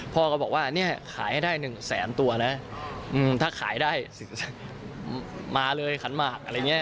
พ่อก็บอกว่าเนี่ยขายให้ได้๑แสนตัวนะถ้าขายได้มาเลยขันหมากอะไรอย่างนี้